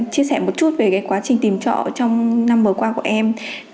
chia sẻ một chút về quá trình tìm trọ trong năm vừa qua của em